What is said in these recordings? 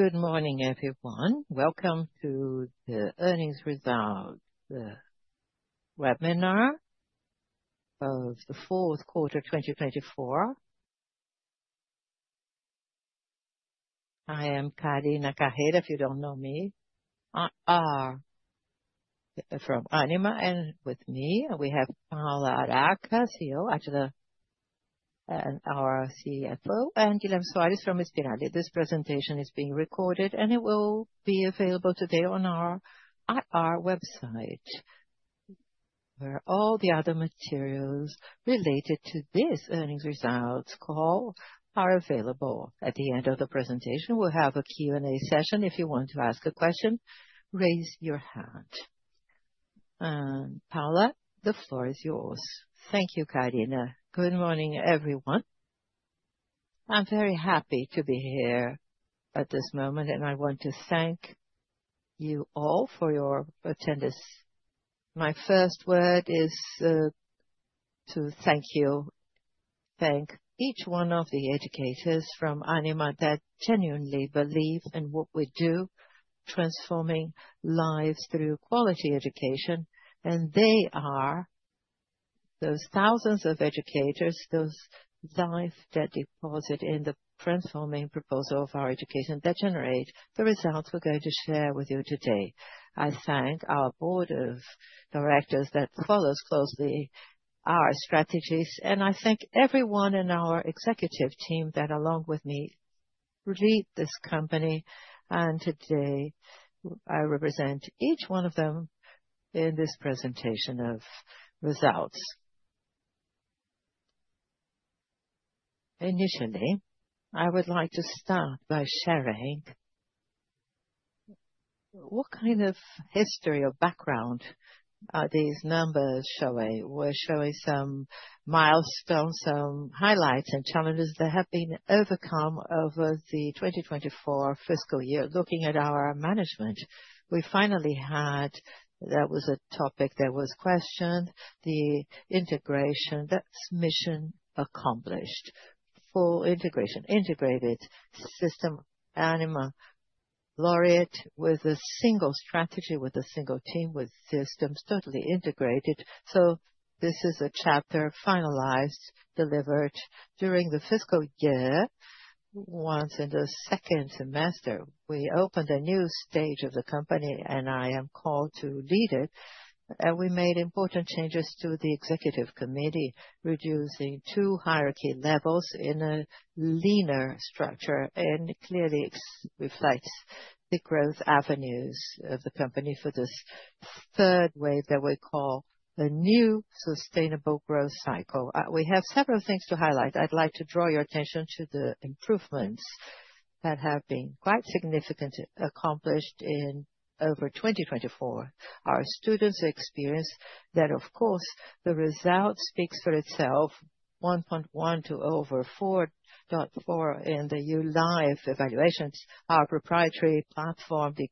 Good morning, everyone. Welcome to the earnings results webinar of the fourth quarter of 2024. I am Carina Carreira, if you do not know me. I am from Ânima and with me, we have Paula Harraca, CEO, Átila, our CFO, and Guilherme Soarez from Inspirali. This presentation is being recorded, and it will be available today on our IR website, where all the other materials related to this earnings results call are available. At the end of the presentation, we will have a Q&A session. If you want to ask a question, raise your hand. Paula, the floor is yours. Thank you, Carina. Good morning, everyone. I am very happy to be here at this moment, and I want to thank you all for your attendance. My first word is to thank you, thank each one of the educators from Ânima that genuinely believe in what we do, transforming lives through quality education. They are those thousands of educators, those lives that deposit in the transforming proposal of our education that generate the results we're going to share with you today. I thank our board of directors that follows closely our strategies, and I thank everyone in our executive team that, along with me, lead this company. Today, I represent each one of them in this presentation of results. Initially, I would like to start by sharing what kind of history or background these numbers show. We're showing some milestones, some highlights, and challenges that have been overcome over the 2024 fiscal year. Looking at our management, we finally had, that was a topic that was questioned, the integration, that's mission accomplished, full integration, integrated system. Ânima Laureate with a single strategy, with a single team, with systems totally integrated. This is a chapter finalized, delivered during the fiscal year. Once in the second semester, we opened a new stage of the company, and I am called to lead it. We made important changes to the executive committee, reducing two hierarchy levels in a leaner structure, and it clearly reflects the growth avenues of the company for this third wave that we call a new sustainable growth cycle. We have several things to highlight. I'd like to draw your attention to the improvements that have been quite significant accomplished in over 2024. Our students experience that, of course, the result speaks for itself. 1.1 to over 4.4 in the Ulife evaluations, our proprietary platform, the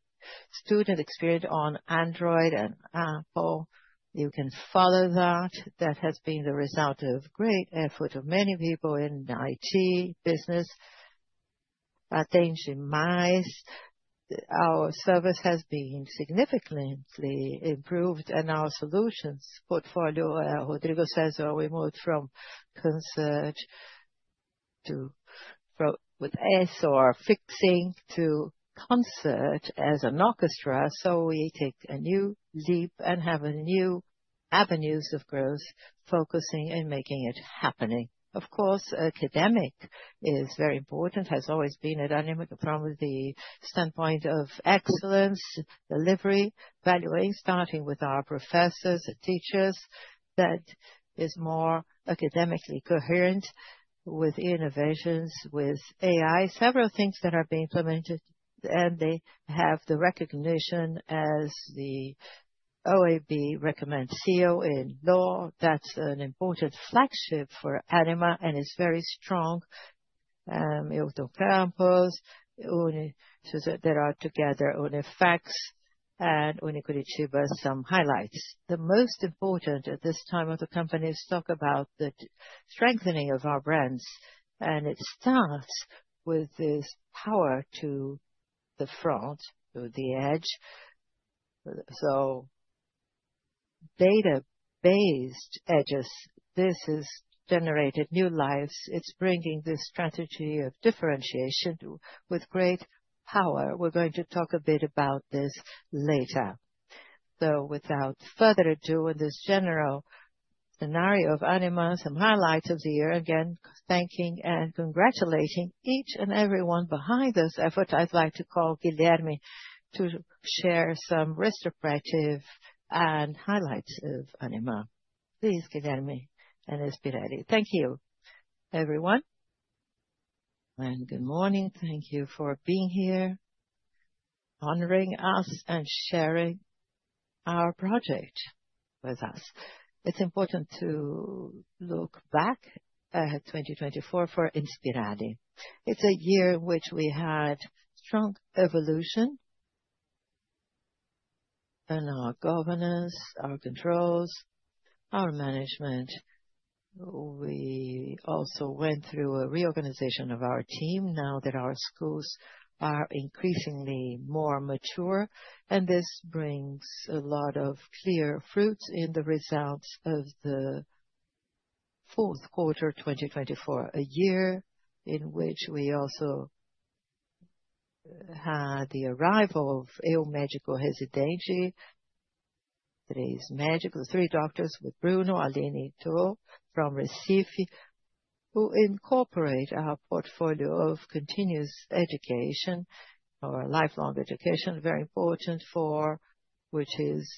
student experience on Android and Apple. You can follow that. That has been the result of great effort of many people in IT business. Our service has been significantly improved, and our solutions portfolio, Rodrigo says, are we moved from concert to with S or fixing to concert as an orchestra. We take a new leap and have new avenues of growth, focusing and making it happening. Of course, academic is very important, has always been at Ânima from the standpoint of excellence, delivery, valuing, starting with our professors and teachers. That is more academically coherent with innovations, with AI, several things that are being implemented, and they have the recognition as the OAB recommends Seal in Law. That is an important flagship for Ânima and is very strong. There are together on effects and on equity achievers, some highlights. The most important at this time of the company is to talk about the strengthening of our brands, and it starts with this power to the front, to the edge. Data-based edges, this has generated new lives. It's bringing this strategy of differentiation with great power. We're going to talk a bit about this later. Without further ado, in this general scenario of Ânima, some highlights of the year, again, thanking and congratulating each and everyone behind this effort. I'd like to call Guilherme to share some risk appraisal and highlights of Ânima. Please, Guilherme Inspirali. Thank you, everyone. Good morning. Thank you for being here, honoring us and sharing our project with us. It's important to look back at 2024 for Inspirali. It's a year in which we had strong evolution in our governance, our controls, our management. We also went through a reorganization of our team now that our schools are increasingly more mature, and this brings a lot of clear fruits in the results of the fourth quarter 2024, a year in which we also had the arrival of Eu Médico Residente, three doctors with Bruno Alinito from Recife, who incorporate our portfolio of continuous education, our lifelong education, very important for which is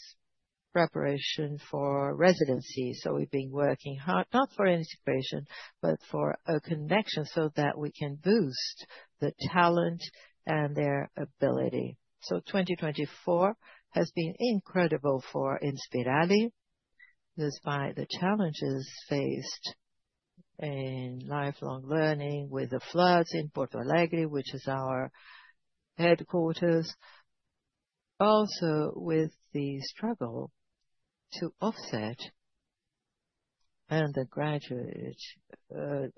preparation for residency. We have been working hard, not for integration, but for a connection so that we can boost the talent and their ability. 2024 has been incredible for Inspirali despite the challenges faced in lifelong learning with the floods in Porto Alegre, which is our headquarters. Also with the struggle to offset and the graduate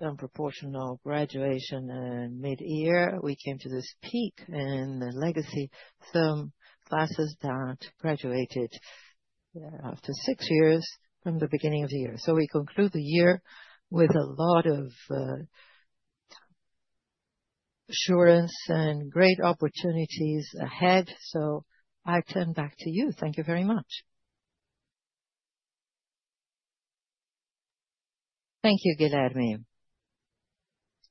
unproportional graduation and mid-year, we came to this peak in the legacy firm classes that graduated after six years from the beginning of the year. We conclude the year with a lot of assurance and great opportunities ahead. I turn back to you. Thank you very much. Thank you, Guilherme.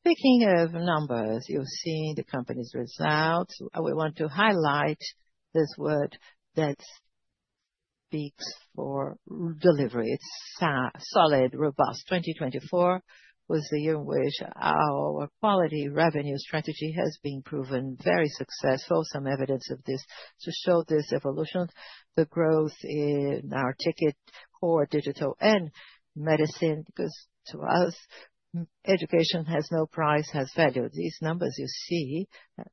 Speaking of numbers, you'll see the company's results. We want to highlight this word that speaks for delivery. It's solid, robust. 2024 was the year in which our quality revenue strategy has been proven very successful. Some evidence of this to show this evolution, the growth in our ticket core digital and medicine, because to us, education has no price, has value. These numbers you see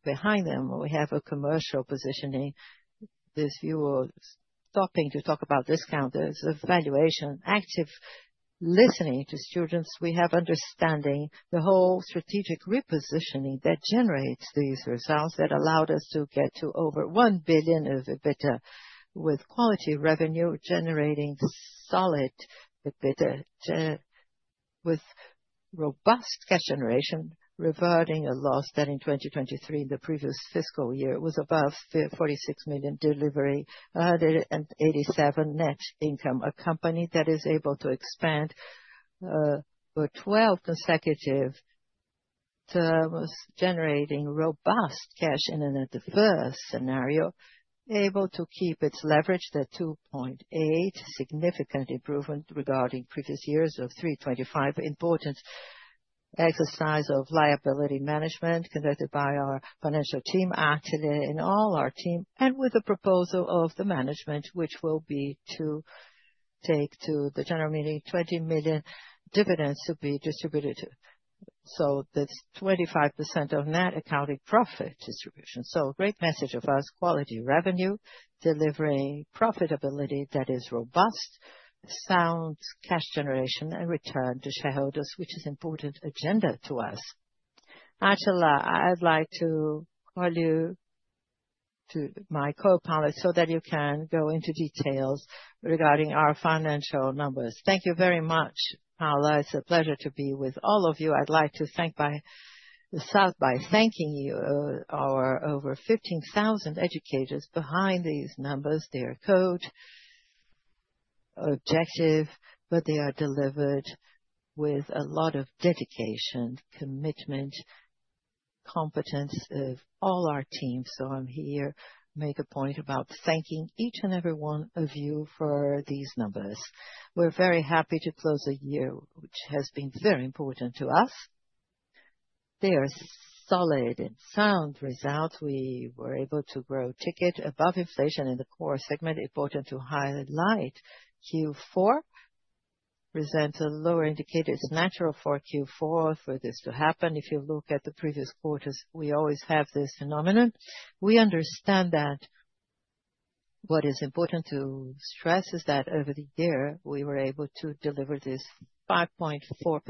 behind them, we have a commercial positioning. This view of stopping to talk about discount is a valuation, active listening to students. We have understanding the whole strategic repositioning that generates these results that allowed us to get to over 1 billion of EBITDA with quality revenue generating solid EBITDA with robust cash generation, reverting a loss that in 2023, in the previous fiscal year, was above 46 million. Delivery 187 million net income a company that is able to expand for 12 consecutive terms, generating robust cash in an adverse scenario, able to keep its leverage at 2.8, significant improvement regarding previous years of 3.25, importance exercise of liability management conducted by our financial team, Átila, and all our team, and with the proposal of the management, which will be to take to the general meeting 20 million dividends to be distributed. That is 25% of net accounting profit distribution. Great message of us, quality revenue, delivering profitability that is robust, sound cash generation and return to shareholders, which is important agenda to us. Átila, I'd like to call you to my co-pilot so that you can go into details regarding our financial numbers. Thank you very much, Paula. It's a pleasure to be with all of you. I'd like to thank by South by thanking you, our over 15,000 educators behind these numbers. They are code objective, but they are delivered with a lot of dedication, commitment, competence of all our team. I'm here to make a point about thanking each and every one of you for these numbers. We're very happy to close the year, which has been very important to us. They are solid and sound results. We were able to grow ticket above inflation in the core segment. Important to highlight Q4, present a lower indicator. It's natural for Q4 for this to happen. If you look at the previous quarters, we always have this phenomenon. We understand that what is important to stress is that over the year, we were able to deliver this 5.4%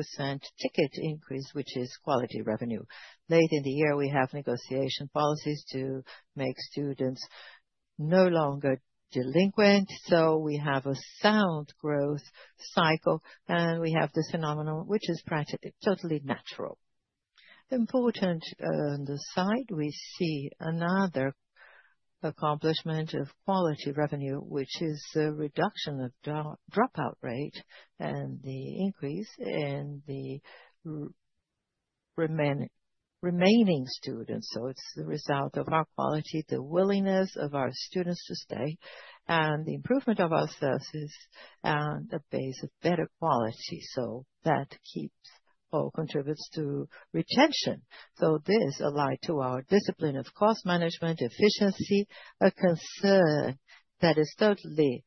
ticket increase, which is quality revenue. Late in the year, we have negotiation policies to make students no longer delinquent. We have a sound growth cycle, and we have this phenomenon, which is practically totally natural. Important on the side, we see another accomplishment of quality revenue, which is the reduction of dropout rate and the increase in the remaining students. It is the result of our quality, the willingness of our students to stay, and the improvement of our services and a base of better quality. That keeps or contributes to retention. This allied to our discipline of cost management, efficiency, a concern that is totally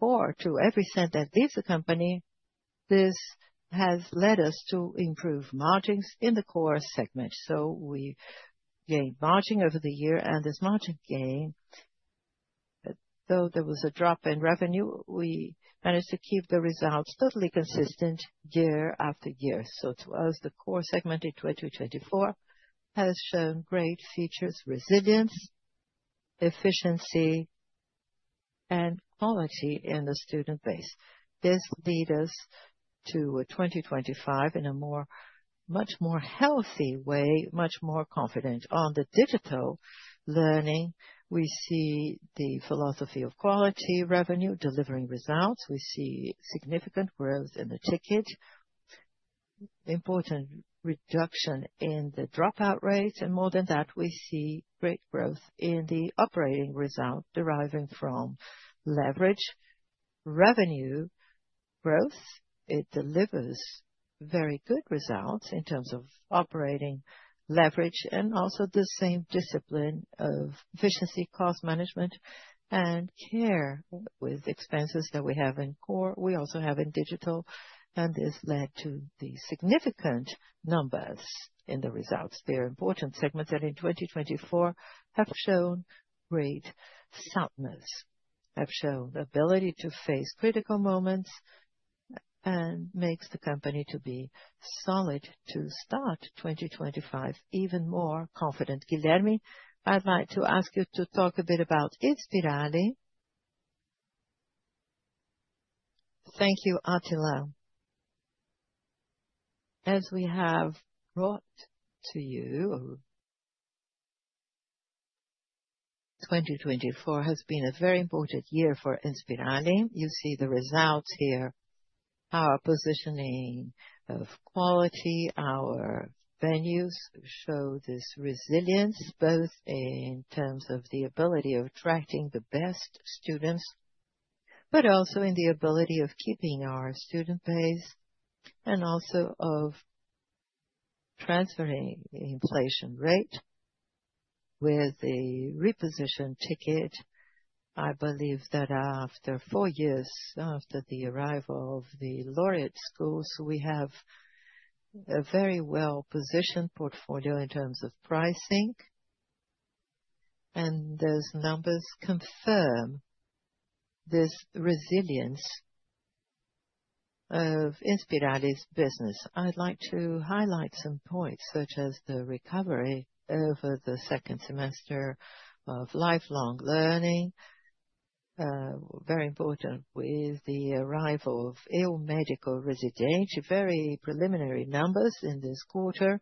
core to every cent that leaves the company. This has led us to improve margins in the core segment. We gained margin over the year, and this margin gain, though there was a drop in revenue, we managed to keep the results totally consistent year after year. To us, the core segment in 2024 has shown great features, resilience, efficiency, and quality in the student base. This leads us to 2025 in a much more healthy way, much more confident. On the digital learning, we see the philosophy of quality revenue delivering results. We see significant growth in the ticket, important reduction in the dropout rates. More than that, we see great growth in the operating result deriving from leverage revenue growth. It delivers very good results in terms of operating leverage and also the same discipline of efficiency, cost management, and care with expenses that we have in core. We also have in digital, and this led to the significant numbers in the results. They are important segments that in 2024 have shown great soundness, have shown the ability to face critical moments, and makes the company to be solid to start 2025 even more confident. Guilherme, I'd like to ask you to talk a bit about Inspirali. Thank you, Átila. As we have brought to you, 2024 has been a very important year for Inspirali. You see the results here, our positioning of quality, our venues show this resilience both in terms of the ability of attracting the best students, but also in the ability of keeping our student base and also of transferring inflation rate with the repositioned ticket. I believe that after four years after the arrival of the Laureate schools, we have a very well-positioned portfolio in terms of pricing, and those numbers confirm this resilience of Inspirali's business. I'd like to highlight some points such as the recovery over the second semester of lifelong learning, very important with the arrival of Eu Médico Residente, very preliminary numbers in this quarter.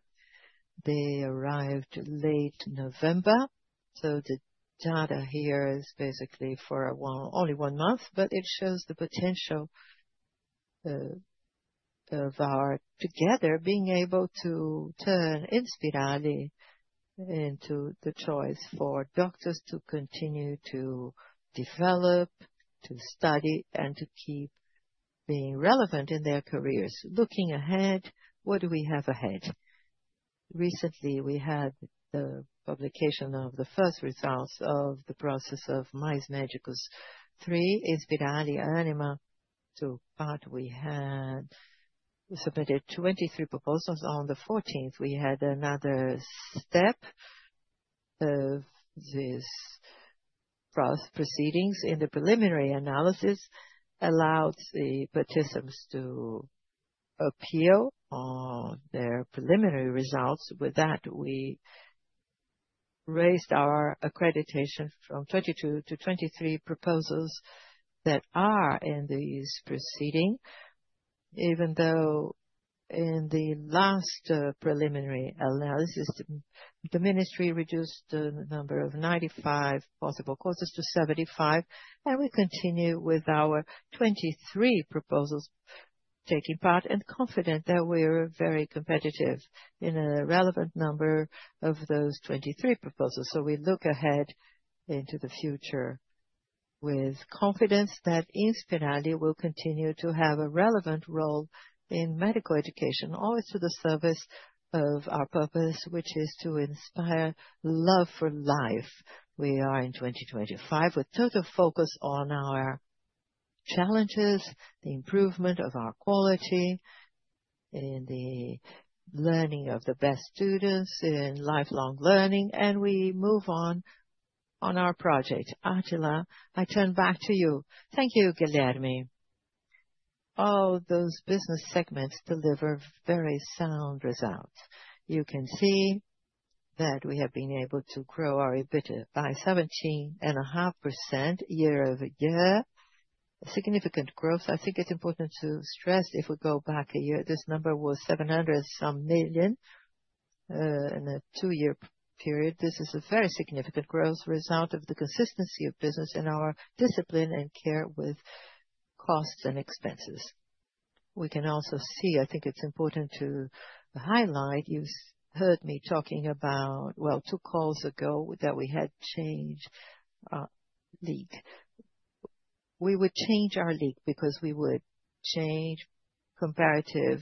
They arrived late November. The data here is basically for only one month, but it shows the potential of our together being able to turn Inspirali into the choice for doctors to continue to develop, to study, and to keep being relevant in their careers. Looking ahead, what do we have ahead? Recently, we had the publication of the first results of the process of Mais Médicos III, Inspirali Ânima. To part, we had submitted 23 proposals. On the 14th, we had another step of these process proceedings in the preliminary analysis allowed the participants to appeal on their preliminary results. With that, we raised our accreditation from 22 to 23 proposals that are in these proceedings. Even though in the last preliminary analysis, the ministry reduced the number of 95 possible courses to 75, and we continue with our 23 proposals taking part and confident that we are very competitive in a relevant number of those 23 proposals. We look ahead into the future with confidence that Inspirali will continue to have a relevant role in medical education, always to the service of our purpose, which is to inspire love for life. We are in 2025 with total focus on our challenges, the improvement of our quality in the learning of the best students in lifelong learning, and we move on on our project. Átila, I turn back to you. Thank you, Guilherme. All those business segments deliver very sound results. You can see that we have been able to grow our EBITDA by 17.5% year over year, a significant growth. I think it's important to stress if we go back a year, this number was 700 some million in a two-year period. This is a very significant growth result of the consistency of business in our discipline and care with costs and expenses. You can also see, I think it's important to highlight, you've heard me talking about, two calls ago that we had changed our league. We would change our league because we would change comparative,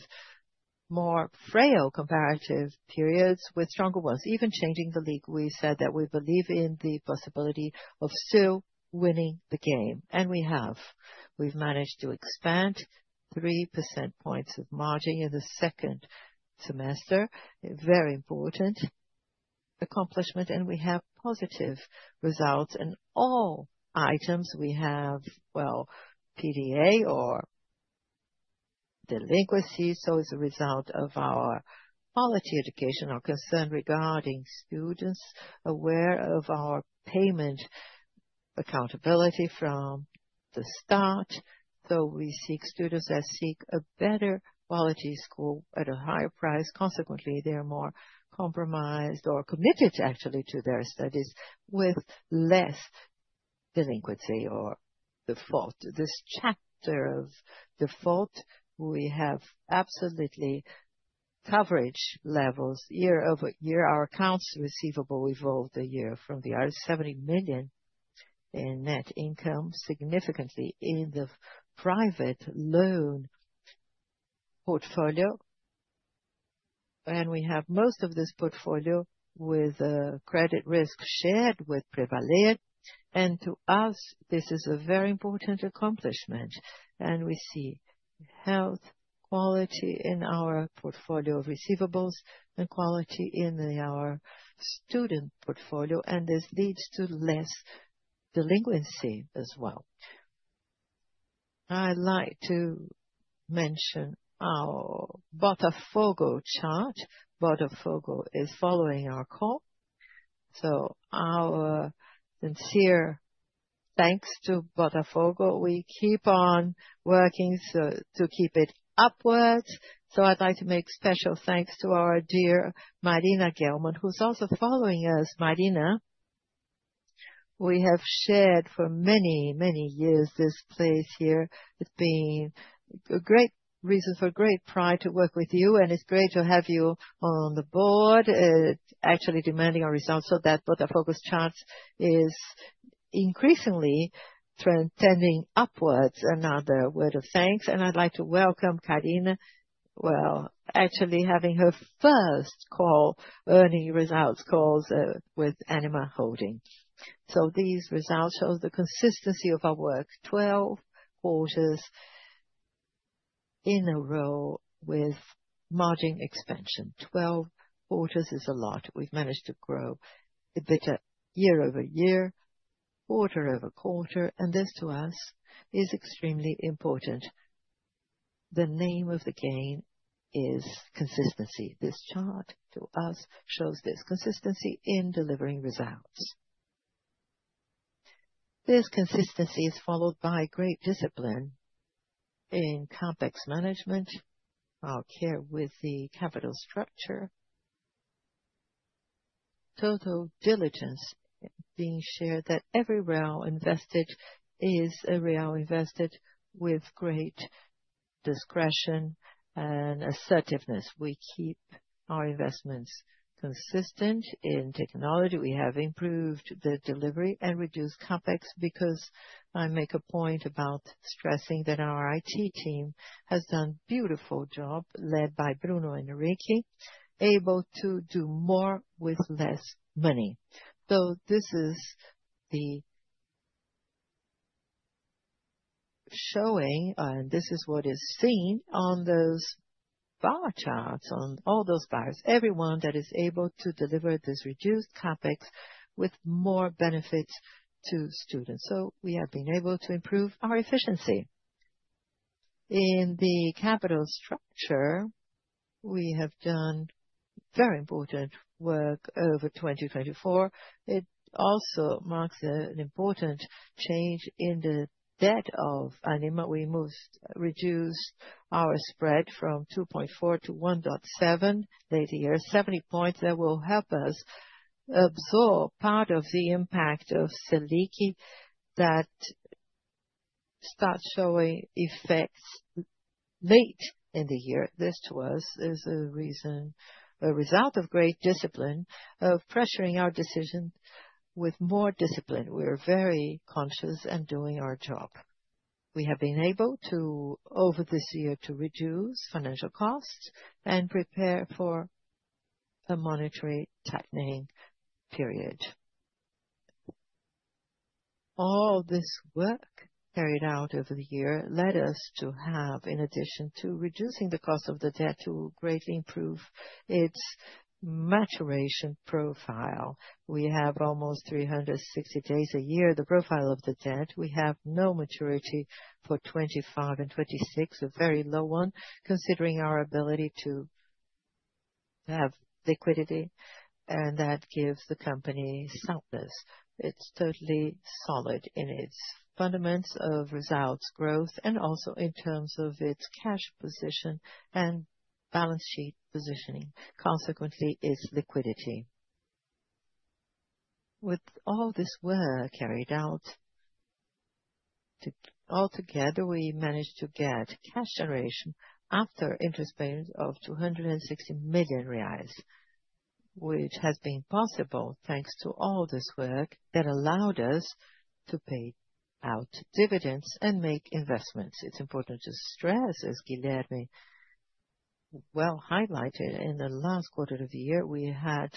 more frail comparative periods with stronger ones. Even changing the league, we said that we believe in the possibility of still winning the game. And we have. We've managed to expand 3 percentage points of margin in the second semester. Very important accomplishment, and we have positive results in all items. We have, well, PDA or delinquencies. It's a result of our quality education. Our concern regarding students aware of our payment accountability from the start. We seek students that seek a better quality school at a higher price. Consequently, they are more compromised or committed actually to their studies with less delinquency or default. This chapter of default, we have absolutely coverage levels year over year. Our accounts receivable evolved a year from the 70 million in net income significantly in the private loan portfolio. We have most of this portfolio with credit risk shared with Pravaler. To us, this is a very important accomplishment. We see health quality in our portfolio of receivables and quality in our student portfolio. This leads to less delinquency as well. I'd like to mention our Botafogo chart. Botafogo is following our call. Our sincere thanks to Botafogo. We keep on working to keep it upwards. I'd like to make special thanks to our dear Marina Gelman, who's also following us. Marina, we have shared for many, many years this place here. It's been a great reason for great pride to work with you, and it's great to have you on the board. It's actually demanding our results so that Botafogo's chart is increasingly trending upwards. Another word of thanks. I'd like to welcome Carina, actually having her first call earning results calls with Ânima Holding. These results show the consistency of our work, 12 quarters in a row with margin expansion. Twelve quarters is a lot. We've managed to grow EBITDA year over year, quarter over quarter. This to us is extremely important. The name of the game is consistency. This chart to us shows this consistency in delivering results. This consistency is followed by great discipline in complex management, our care with the capital structure, total diligence being sure that every real invested is a real invested with great discretion and assertiveness. We keep our investments consistent in technology. We have improved the delivery and reduced complex because I make a point about stressing that our IT team has done a beautiful job led by Bruno and Ricky, able to do more with less money. This is the showing, and this is what is seen on those bar charts, on all those bars, everyone that is able to deliver this reduced complex with more benefits to students. We have been able to improve our efficiency. In the capital structure, we have done very important work over 2024. It also marks an important change in the debt of Ânima. We most reduced our spread from 2.4 to 1.7 later years, 70 basis points that will help us absorb part of the impact of STRANIKI that starts showing effects late in the year. This to us is a reason, a result of great discipline of pressuring our decision with more discipline. We're very conscious and doing our job. We have been able to, over this year, reduce financial costs and prepare for a monetary tightening period. All this work carried out over the year led us to have, in addition to reducing the cost of the debt, to greatly improve its maturation profile. We have almost 360 days a year, the profile of the debt. We have no maturity for 2025 and 2026, a very low one, considering our ability to have liquidity, and that gives the company soundness. It's totally solid in its fundamentals of results, growth, and also in terms of its cash position and balance sheet positioning. Consequently, it's liquidity. With all this work carried out, altogether, we managed to get cash generation after interest payments of 260 million reais, which has been possible thanks to all this work that allowed us to pay out dividends and make investments. It's important to stress, as Guilherme well highlighted in the last quarter of the year, we had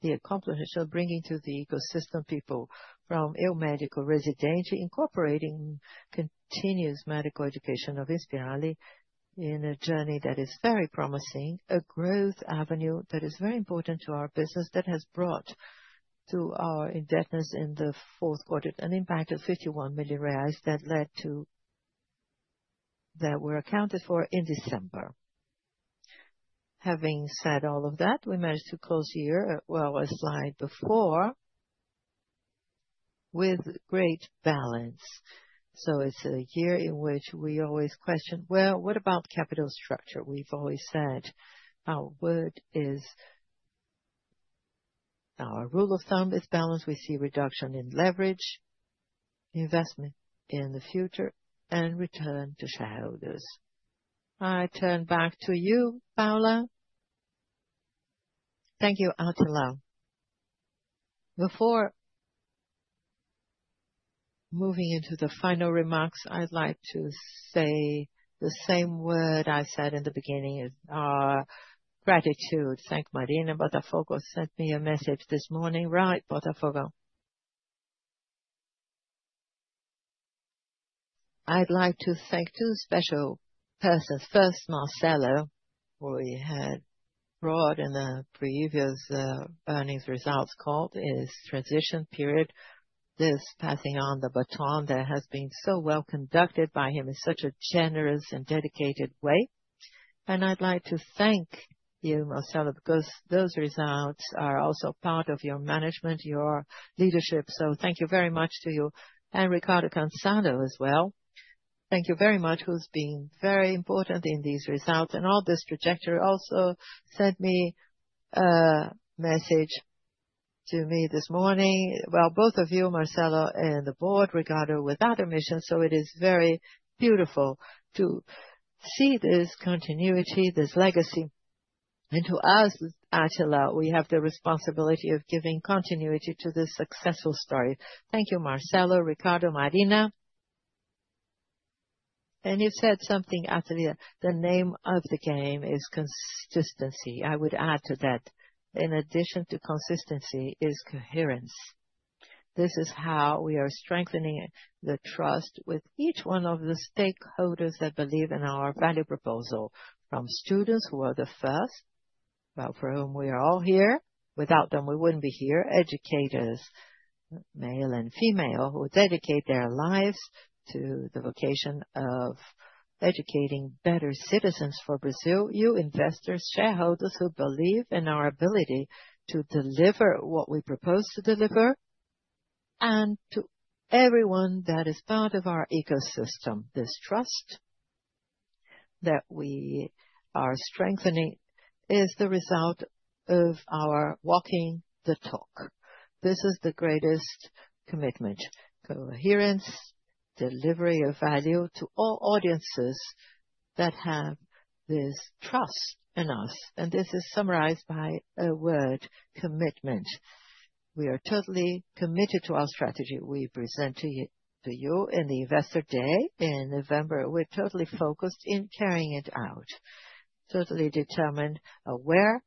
the accomplishment of bringing to the ecosystem people from Eu Médico Residente, incorporating continuous medical education of Inspirali in a journey that is very promising, a growth avenue that is very important to our business that has brought to our indebtedness in the fourth quarter an impact of 51 million reais that led to that were accounted for in December. Having said all of that, we managed to close the year, a slide before, with great balance. It is a year in which we always question, what about capital structure? We've always said our word is our rule of thumb is balance. We see reduction in leverage, investment in the future, and return to shareholders. I turn back to you, Paula. Thank you, Átila. Before moving into the final remarks, I'd like to say the same word I said in the beginning, our gratitude. Thank Marina, Botafogo sent me a message this morning. Right, Botafogo? I'd like to thank two special persons. First, Marcelo, who we had brought in the previous earnings results call, is transition period. This passing on the baton that has been so well conducted by him in such a generous and dedicated way. I'd like to thank you, Marcelo, because those results are also part of your management, your leadership. Thank you very much to you and Ricardo Cançado as well. Thank you very much, who's been very important in these results and all this trajectory. Also sent me a message to me this morning. Both of you, Marcelo and the board, Ricardo, with other missions. It is very beautiful to see this continuity, this legacy. To us, Attila, we have the responsibility of giving continuity to this successful story. Thank you, Marcelo, Ricardo, Marina. You said something, Attila. The name of the game is consistency. I would add to that, in addition to consistency, is coherence. This is how we are strengthening the trust with each one of the stakeholders that believe in our value proposal, from students who are the first, for whom we are all here. Without them, we would not be here. Educators, male and female, who dedicate their lives to the vocation of educating better citizens for Brazil. You investors, shareholders who believe in our ability to deliver what we propose to deliver and to everyone that is part of our ecosystem. This trust that we are strengthening is the result of our walking the talk. This is the greatest commitment, coherence, delivery of value to all audiences that have this trust in us. This is summarized by a word, commitment. We are totally committed to our strategy. We present to you in the investor day in November. We are totally focused in carrying it out, totally determined, aware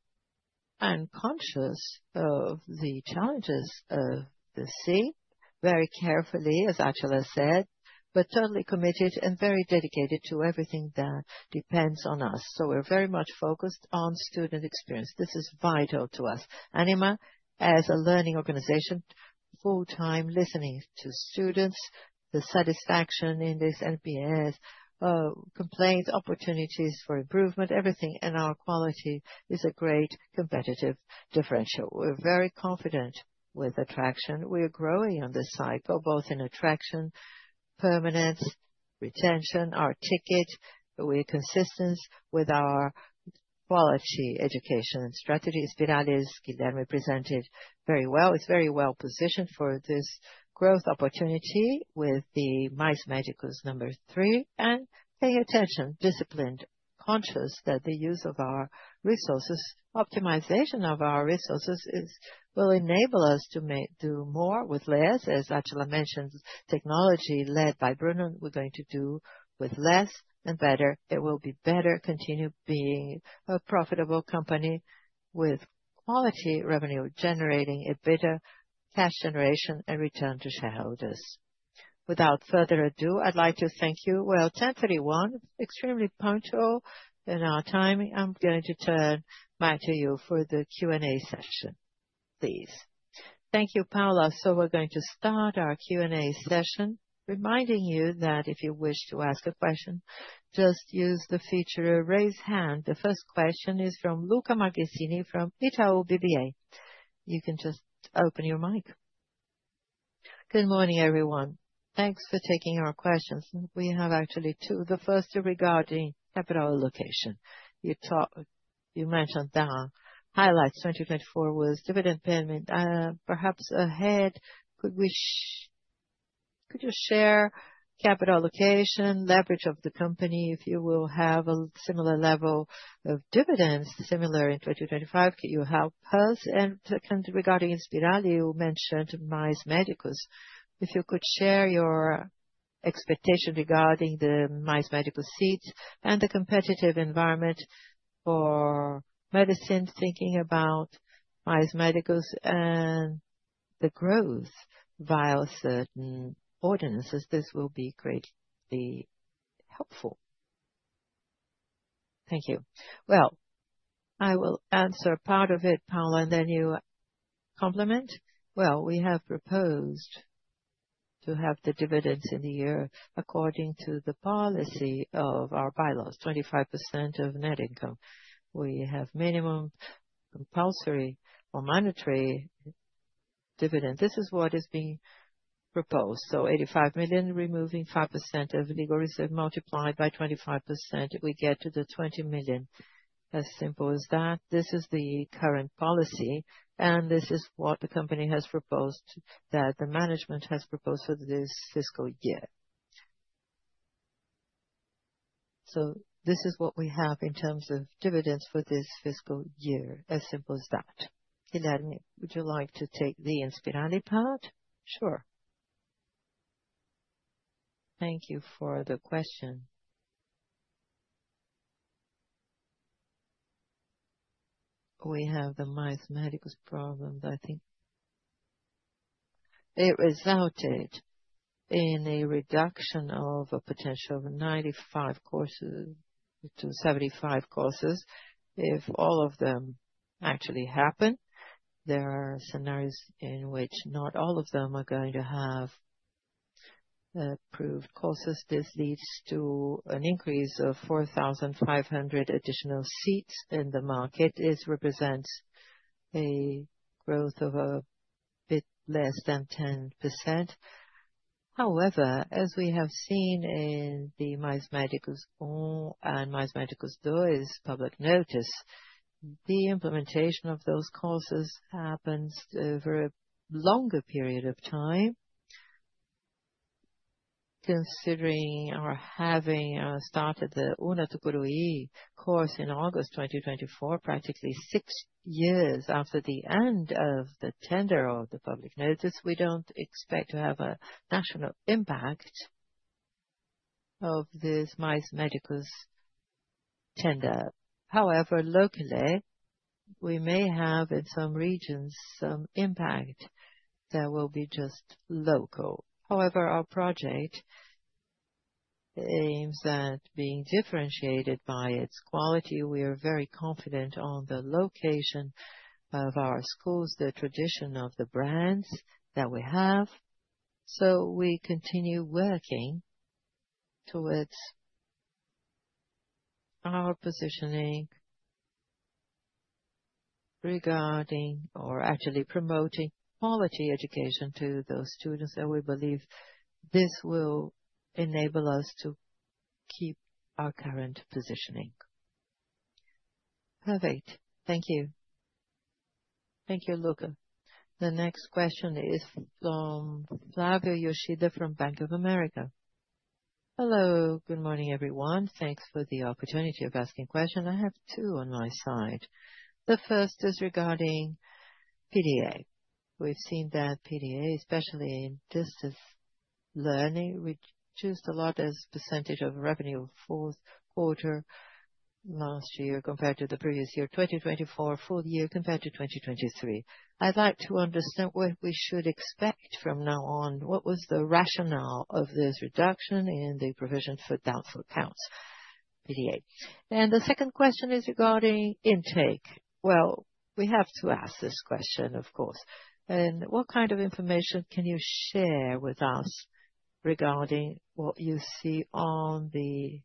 and conscious of the challenges of the sea, very carefully, as Átila said, but totally committed and very dedicated to everything that depends on us. We are very much focused on student experience. This is vital to us. Ânima, as a learning organization, full-time listening to students, the satisfaction in this NPS, complaints, opportunities for improvement, everything in our quality is a great competitive differential. We are very confident with attraction. We are growing on this cycle, both in attraction, permanence, retention, our ticket, we are consistent with our quality education strategy. Inspirali's Guilherme presented very well. It's very well positioned for this growth opportunity with the Mais Médicos number three. Pay attention, disciplined, conscious that the use of our resources, optimization of our resources will enable us to do more with less, as Átila mentioned, technology led by Bruno. We're going to do with less and better. It will be better, continue being a profitable company with quality revenue, generating EBITDA, cash generation, and return to shareholders. Without further ado, I'd like to thank you. 10:31, extremely punctual in our time. I'm going to turn back to you for the Q&A session, please. Thank you, Paula. We're going to start our Q&A session, reminding you that if you wish to ask a question, just use the feature to raise hand. The first question is from Lucca Marquezini from Itaú BBA. You can just open your mic. Good morning, everyone. Thanks for taking our questions. We have actually two. The first is regarding capital allocation. You mentioned that highlights 2024 was dividend payment, perhaps ahead. Could you share capital allocation, leverage of the company, if you will have a similar level of dividends, similar in 2025? Could you help us? And regarding Inspirali, you mentioned Mais Médicos. If you could share your expectation regarding the Mais Médicos seats and the competitive environment for medicine, thinking about Mais Médicos and the growth via certain ordinances, this will be greatly helpful. Thank you. I will answer part of it, Paula, and then you complement. We have proposed to have the dividends in the year according to the policy of our bylaws, 25% of net income. We have minimum compulsory or monetary dividends. This is what is being proposed. Eighty-five million, removing 5% of legal receipt, multiplied by 25%, we get to the 20 million. As simple as that. This is the current policy, and this is what the company has proposed, that the management has proposed for this fiscal year. This is what we have in terms of dividends for this fiscal year. As simple as that. Guilherme, would you like to take the Inspirali part? Sure. Thank you for the question. We have the Mais Médicos problem that I think it resulted in a reduction of a potential of 95 courses to 75 courses. If all of them actually happen, there are scenarios in which not all of them are going to have approved courses. This leads to an increase of 4,500 additional seats in the market. It represents a growth of a bit less than 10%. However, as we have seen in the Mais Médicos I and Mais Médicos II's public notice, the implementation of those courses happens over a longer period of time. Considering our having started the Una Tucuruí course in August 2024, practically six years after the end of the tender of the public notice, we don't expect to have a national impact of this Mais Médicos tender. However, locally, we may have in some regions some impact that will be just local. However, our project aims at being differentiated by its quality. We are very confident on the location of our schools, the tradition of the brands that we have. We continue working towards our positioning regarding or actually promoting quality education to those students that we believe this will enable us to keep our current positioning. Perfect. Thank you. Thank you, Lucca. The next question is from Flavio Yoshida from Bank of America. Hello, good morning, everyone. Thanks for the opportunity of asking questions. I have two on my side. The first is regarding PDA. We've seen that PDA, especially in distance learning, reduced a lot as a percentage of revenue for the fourth quarter last year compared to the previous year, 2024 full year compared to 2023. I'd like to understand what we should expect from now on. What was the rationale of this reduction in the provision for doubtful accounts? PDA. The second question is regarding intake. We have to ask this question, of course. What kind of information can you share with us regarding what you see on the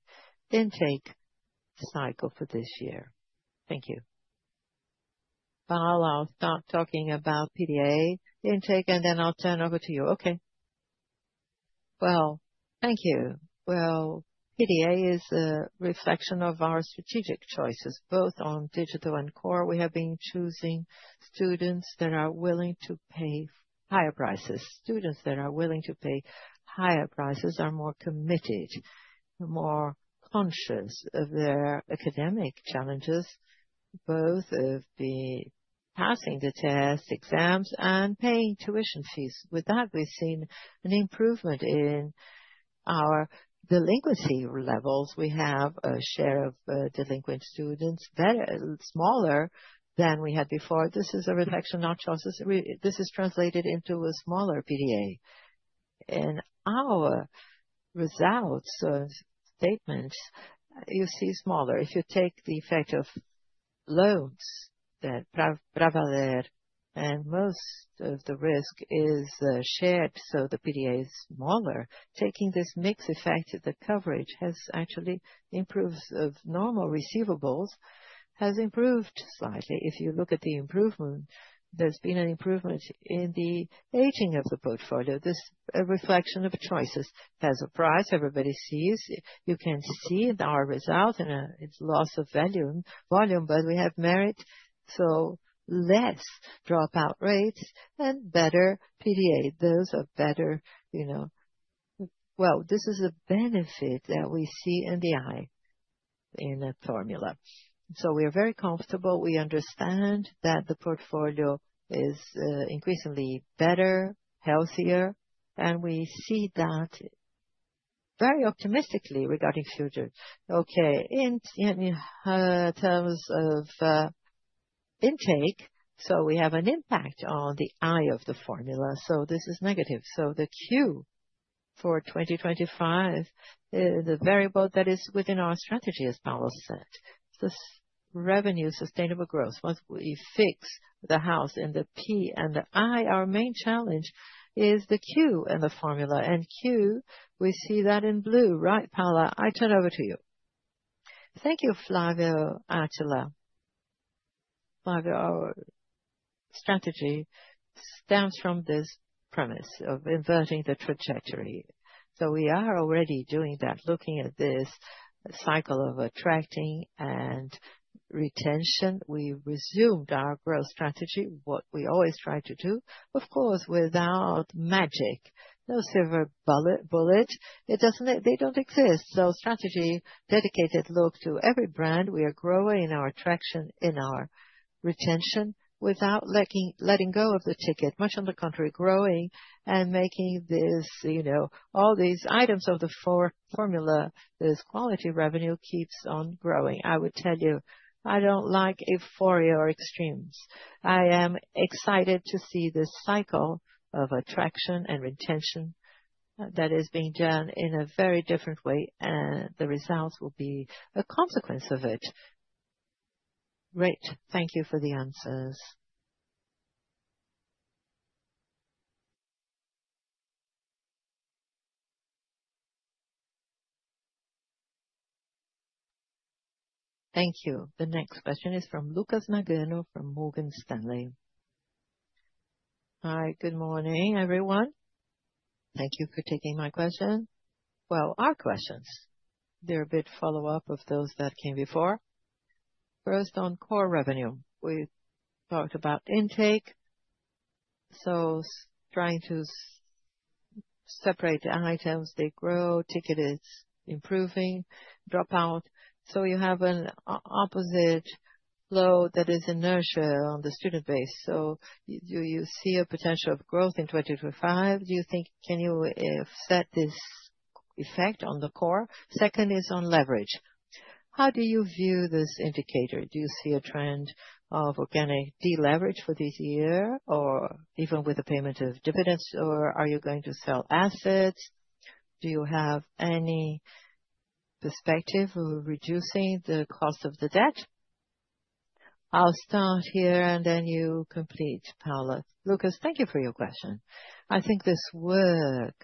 intake cycle for this year? Thank you. Paula, I'll start talking about PDA intake, and then I'll turn over to you. Okay. Thank you. PDA is a reflection of our strategic choices, both on digital and core. We have been choosing students that are willing to pay higher prices. Students that are willing to pay higher prices are more committed, more conscious of their academic challenges, both of passing the tests, exams, and paying tuition fees. With that, we've seen an improvement in our delinquency levels. We have a share of delinquent students that are smaller than we had before. This is a reflection of our choices. This is translated into a smaller PDA. In our results statement, you see smaller. If you take the effect of loans, that Pravaler, and most of the risk is shared, so the PDA is smaller. Taking this mix effect of the coverage has actually improved of normal receivables, has improved slightly. If you look at the improvement, there's been an improvement in the aging of the portfolio. This reflection of choices has a price. Everybody sees. You can see our result in its loss of value and volume, but we have merit. So less dropout rates and better PDA. Those are better, you know. This is a benefit that we see in the eye, in the formula. We are very comfortable. We understand that the portfolio is increasingly better, healthier, and we see that very optimistically regarding future. Okay, in terms of intake, we have an impact on the eye of the formula. This is negative. The Q for 2025, the variable that is within our strategy, as Paula said, this revenue, sustainable growth, once we fix the house in the P and the I, our main challenge is the Q and the formula and Q, we see that in blue. Right, Paula? I turn over to you. Thank you, Flavio, Átila. Flavio, our strategy stems from this premise of inverting the trajectory. We are already doing that, looking at this cycle of attracting and retention. We resumed our growth strategy, what we always try to do, of course, without magic. No silver bullet. It does not exist. Strategy dedicated look to every brand. We are growing in our attraction, in our retention, without letting go of the ticket. Much on the contrary, growing and making this, you know, all these items of the formula, this quality revenue keeps on growing. I would tell you, I do not like euphoria or extremes. I am excited to see this cycle of attraction and retention that is being done in a very different way, and the results will be a consequence of it. Great. Thank you for the answers. Thank you. The next question is from Lucas Nagano from Morgan Stanley. Hi, good morning, everyone. Thank you for taking my question. Our questions, they're a bit follow-up of those that came before. First, on core revenue, we talked about intake. Trying to separate the items, they grow, ticket is improving, dropout. You have an opposite flow that is inertia on the student base. You see a potential of growth in 2025. Do you think, can you set this effect on the core? Second is on leverage. How do you view this indicator? Do you see a trend of organic deleverage for this year or even with the payment of dividends, or are you going to sell assets? Do you have any perspective of reducing the cost of the debt? I'll start here, and then you complete, Paula. Lucas, thank you for your question. I think this work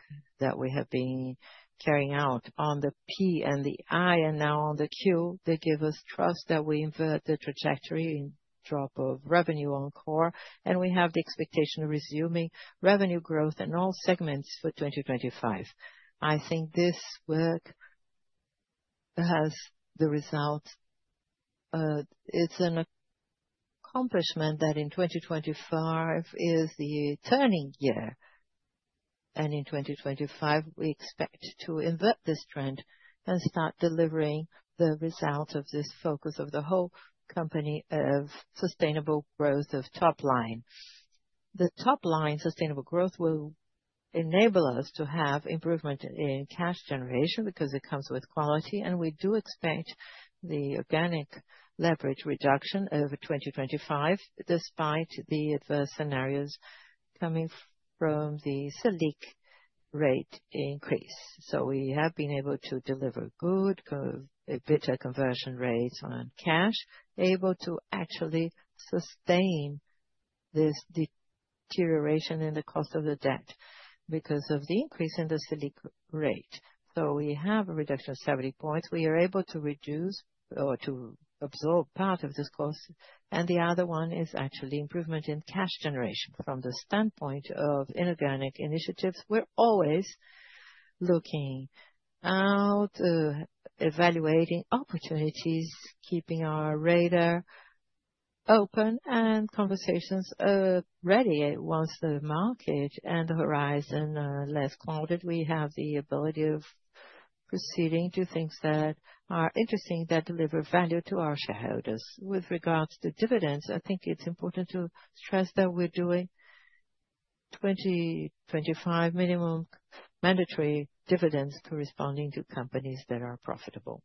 that we have been carrying out on the P and the I and now on the Q, they give us trust that we invert the trajectory in drop of revenue on core, and we have the expectation of resuming revenue growth in all segments for 2025. I think this work has the result. It's an accomplishment that in 2025 is the turning year. In 2025, we expect to invert this trend and start delivering the result of this focus of the whole company of sustainable growth of top line. The top line sustainable growth will enable us to have improvement in cash generation because it comes with quality, and we do expect the organic leverage reduction over 2025, despite the adverse scenarios coming from the SELIC rate increase. We have been able to deliver good EBITDA conversion rates on cash, able to actually sustain this deterioration in the cost of the debt because of the increase in the SELIC rate. We have a reduction of 70 basis points. We are able to reduce or to absorb part of this cost. The other one is actually improvement in cash generation from the standpoint of inorganic initiatives. We're always looking out, evaluating opportunities, keeping our radar open and conversations ready. Once the market and the horizon are less clouded, we have the ability of proceeding to things that are interesting that deliver value to our shareholders. With regards to dividends, I think it's important to stress that we're doing 2025 minimum mandatory dividends corresponding to companies that are profitable.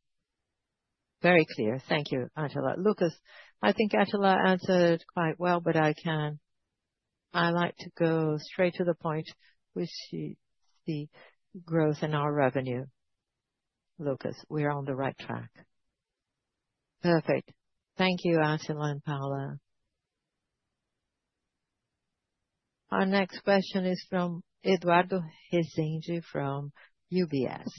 Very clear. Thank you, Átila. Lucas, I think Átila answered quite well, but I can highlight to go straight to the point with the growth in our revenue. Lucas, we are on the right track. Perfect. Thank you, Átila and Paula. Our next question is from Eduardo Hezengi from UBS.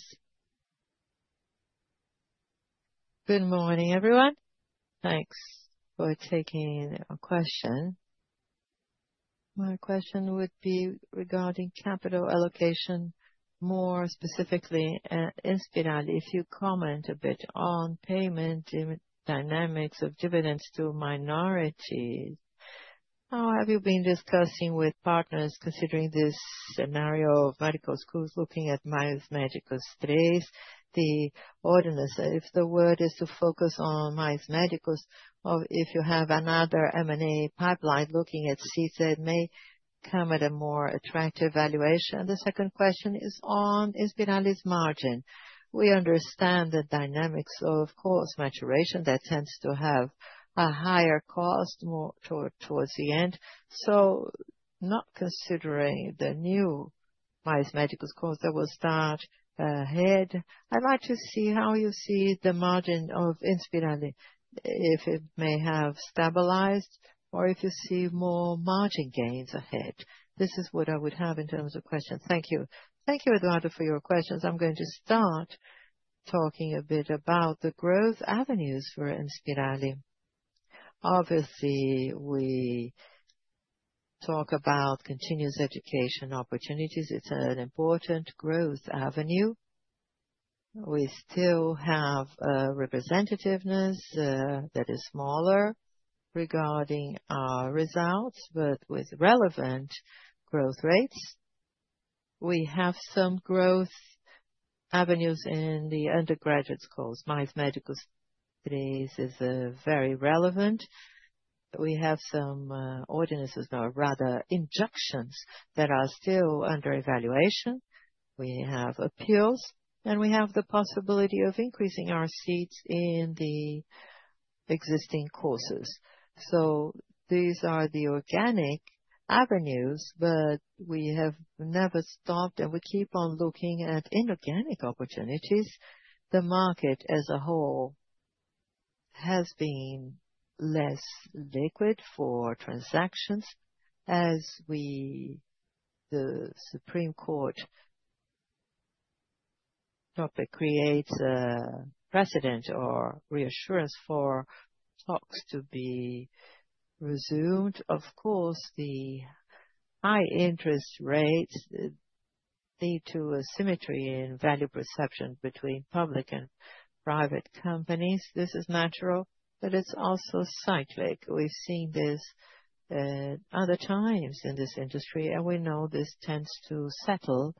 Good morning, everyone. Thanks for taking a question. My question would be regarding capital allocation, more specifically at Inspirali, if you comment a bit on payment dynamics of dividends to minorities. How have you been discussing with partners considering this scenario of medical schools looking at Mais Médicos III, the ordinance? If the word is to focus on Mais Médicos, or if you have another M&A pipeline looking at seats that may come at a more attractive valuation. The second question is on Inspirali's margin. We understand the dynamics of cost maturation that tends to have a higher cost more towards the end. Not considering the new Mais Médicos course that will start ahead, I'd like to see how you see the margin of Inspirali, if it may have stabilized or if you see more margin gains ahead. This is what I would have in terms of questions. Thank you. Thank you, Eduardo, for your questions. I'm going to start talking a bit about the growth avenues for Inspirali. Obviously, we talk about continuous education opportunities. It's an important growth avenue. We still have a representativeness that is smaller regarding our results, but with relevant growth rates. We have some growth avenues in the undergraduate schools. Mais Médicos III is very relevant. We have some ordinances, or rather injunctions, that are still under evaluation. We have appeals, and we have the possibility of increasing our seats in the existing courses. These are the organic avenues, but we have never stopped, and we keep on looking at inorganic opportunities. The market as a whole has been less liquid for transactions as the Supreme Court topic creates a precedent or reassurance for talks to be resumed. Of course, the high interest rates lead to a symmetry in value perception between public and private companies. This is natural, but it is also cyclic. We have seen this other times in this industry, and we know this tends to settle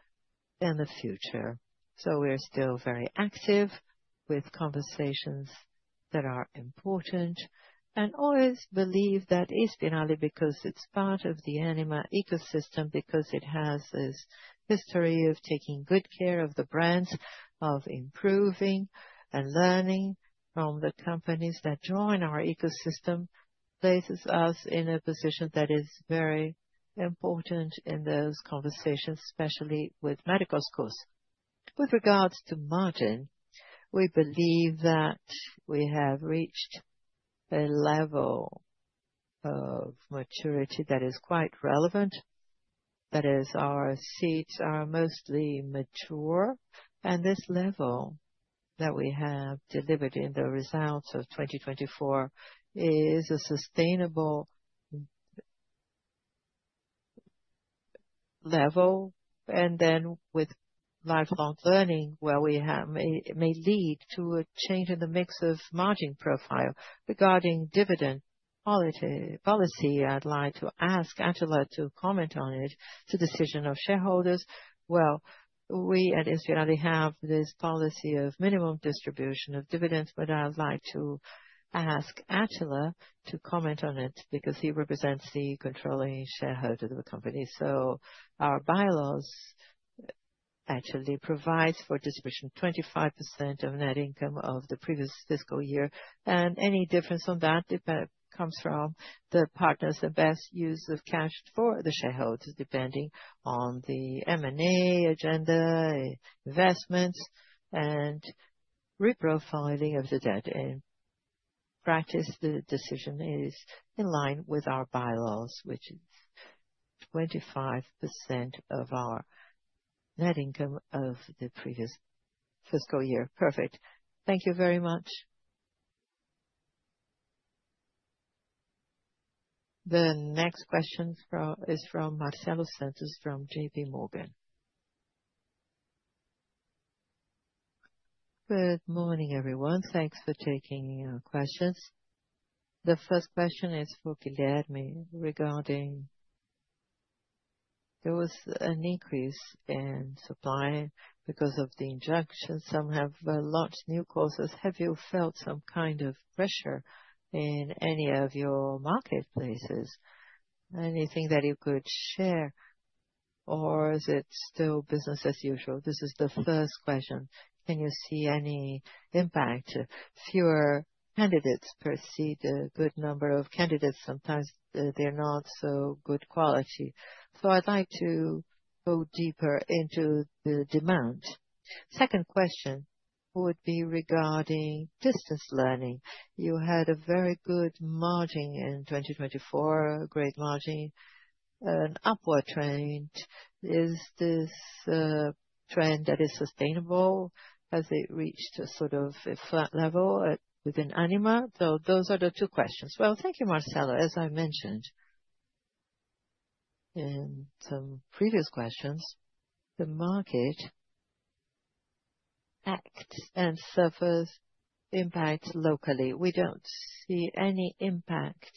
in the future. We are still very active with conversations that are important and always believe that Inspirali, because it is part of the Ânima ecosystem, because it has this history of taking good care of the brands, of improving and learning from the companies that join our ecosystem, places us in a position that is very important in those conversations, especially with medical schools. With regards to margin, we believe that we have reached a level of maturity that is quite relevant, that is, our seats are mostly mature, and this level that we have delivered in the results of 2024 is a sustainable level. With lifelong learning, where we have may lead to a change in the mix of margin profile regarding dividend policy. I'd like to ask Átila to comment on it, the decision of shareholders. We at Inspirali have this policy of minimum distribution of dividends, but I'd like to ask Átila to comment on it because he represents the controlling shareholder of the company. Our bylaws actually provide for distribution of 25% of net income of the previous fiscal year, and any difference on that comes from the partners, the best use of cash for the shareholders, depending on the M&A agenda, investments, and reprofiling of the debt. In practice, the decision is in line with our bylaws, which is 25% of our net income of the previous fiscal year. Perfect. Thank you very much. The next question is from Marcelo Santos from JP Morgan. Good morning, everyone. Thanks for taking your questions. The first question is for Guilherme regarding there was an increase in supply because of the injection. Some have launched new courses. Have you felt some kind of pressure in any of your marketplaces? Anything that you could share, or is it still business as usual? This is the first question. Can you see any impact? Fewer candidates perceive a good number of candidates. Sometimes they're not so good quality. I would like to go deeper into the demand. Second question would be regarding distance learning. You had a very good margin in 2024, great margin, an upward trend. Is this trend that is sustainable as it reached a sort of flat level within Ânima? Those are the two questions. Thank you, Marcelo. As I mentioned in some previous questions, the market acts and suffers impacts locally. We do not see any impact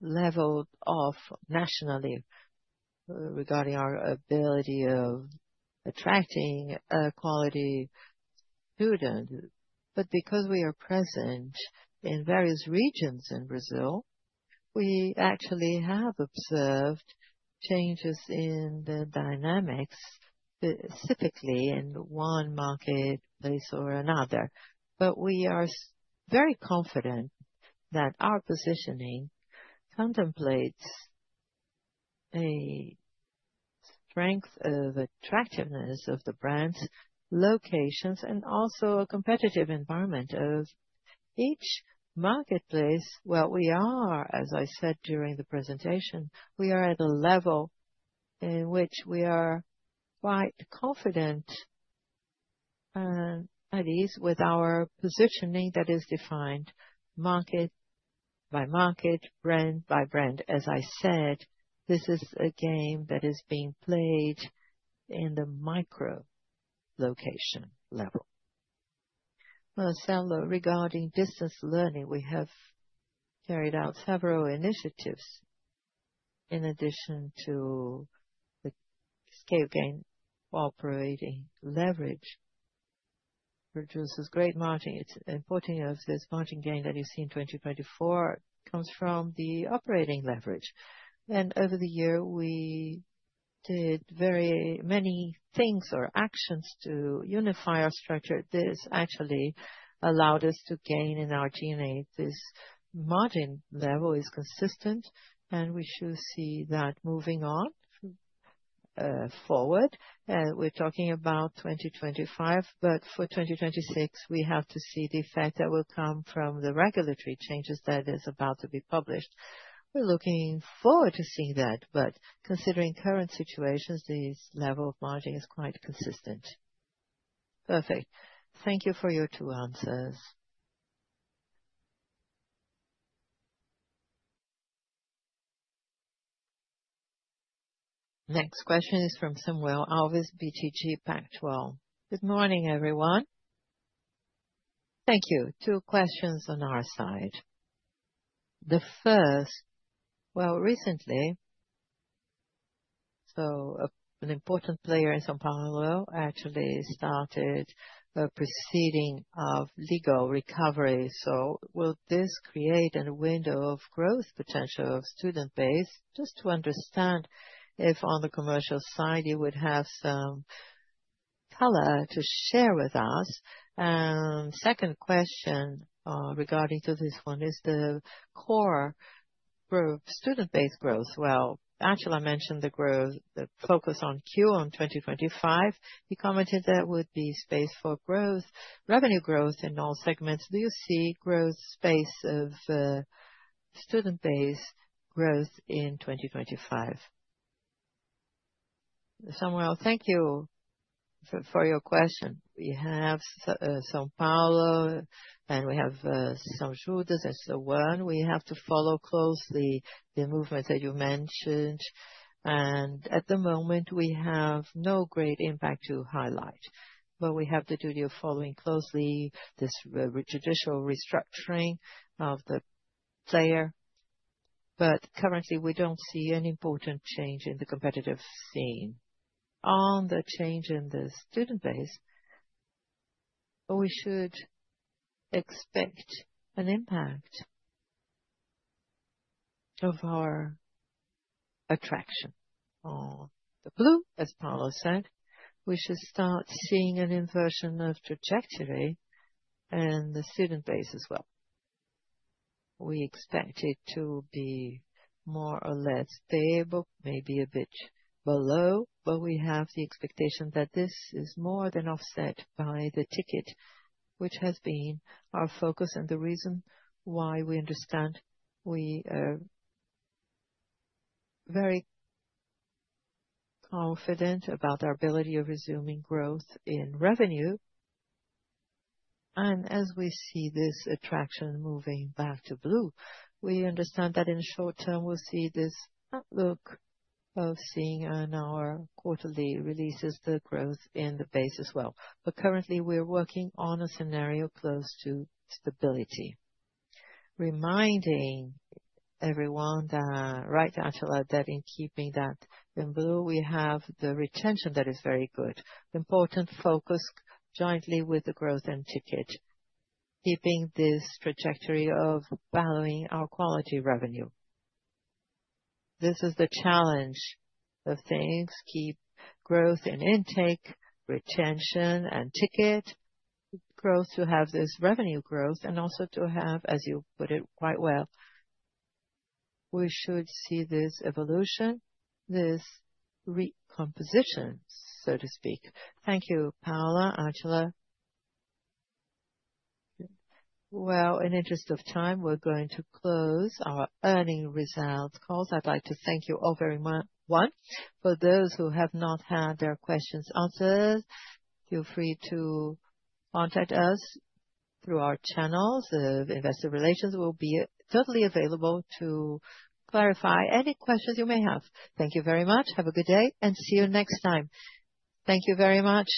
leveled off nationally regarding our ability of attracting quality students. Because we are present in various regions in Brazil, we actually have observed changes in the dynamics, specifically in one marketplace or another. We are very confident that our positioning contemplates a strength of attractiveness of the brands, locations, and also a competitive environment of each marketplace. As I said during the presentation, we are at a level in which we are quite confident and at ease with our positioning that is defined market by market, brand by brand. As I said, this is a game that is being played at the micro location level. Marcelo, regarding distance learning, we have carried out several initiatives in addition to the scale gain. Operating leverage produces great margin. It is important that this margin gain that you see in 2024 comes from the operating leverage. Over the year, we did very many things or actions to unify our structure. This actually allowed us to gain in our DNA. This margin level is consistent, and we should see that moving on forward. We're talking about 2025, but for 2026, we have to see the effect that will come from the regulatory changes that is about to be published. We're looking forward to seeing that, but considering current situations, this level of margin is quite consistent. Perfect. Thank you for your two answers. Next question is from Samuel Alves, BTG Pactual. Good morning, everyone. Thank you. Two questions on our side. The first, actually, an important player in São Paulo recently started a proceeding of legal recovery. Will this create a window of growth potential of student base? Just to understand if on the commercial side you would have some color to share with us. Second question regarding this one is the core for student-based growth. Átila mentioned the growth, the focus on Q1 2025. He commented there would be space for growth, revenue growth in all segments. Do you see growth space of student-based growth in 2025? Samuel, thank you for your question. We have São Paulo and we have São Judas as the one. We have to follow closely the movements that you mentioned. At the moment, we have no great impact to highlight, but we have to do the following closely, this judicial restructuring of the player. Currently, we do not see an important change in the competitive scene. On the change in the student base, we should expect an impact of our attraction on the blue, as Paula said. We should start seeing an inversion of trajectory in the student base as well. We expect it to be more or less stable, maybe a bit below, but we have the expectation that this is more than offset by the ticket, which has been our focus and the reason why we understand we are very confident about our ability of resuming growth in revenue. As we see this attraction moving back to blue, we understand that in the short term, we'll see this outlook of seeing in our quarterly releases the growth in the base as well. Currently, we're working on a scenario close to stability. Reminding everyone that right after our debt and keeping that in blue, we have the retention that is very good. Important focus jointly with the growth and ticket, keeping this trajectory of ballowing our quality revenue. This is the challenge of things: keep growth in intake, retention, and ticket growth to have this revenue growth and also to have, as you put it quite well, we should see this evolution, this recomposition, so to speak. Thank you, Paula, Átila. In interest of time, we're going to close our earning results calls. I'd like to thank you all very much. One, for those who have not had their questions answered, feel free to contact us through our channels. The investor relations will be totally available to clarify any questions you may have. Thank you very much. Have a good day and see you next time. Thank you very much.